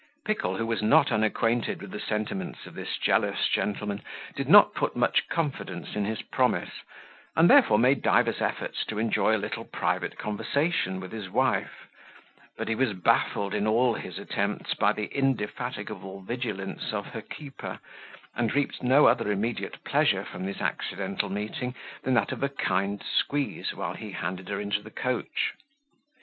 Pickle, who was not unacquainted with the sentiments of this jealous gentleman, did not put much confidence in his promise, and therefore made divers efforts to enjoy a little private conversation with his wife; but he was baffled in all his attempts by the indefatigable vigilance of her keeper, and reaped no other immediate pleasure from this accidental meeting, than that of a kind squeeze while he handed her into the coach.